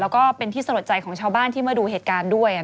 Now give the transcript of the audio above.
แล้วก็เป็นที่สะลดใจของชาวบ้านที่มาดูเหตุการณ์ด้วย